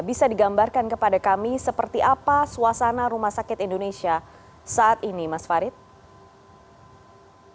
bisa digambarkan kepada kami seperti apa suasana rumah sakit indonesia saat ini mas farid